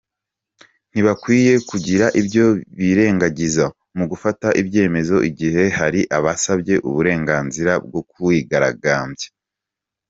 Ntibakwiye kugira ibyo birengagiza mu gufata ibyemezo igihe hari abasabye uburenganzira bwo kwigaragambya.